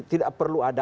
tidak perlu ada